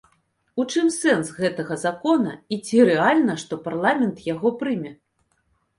У чым сэнс гэтага закона і ці рэальна, што парламент яго прыме?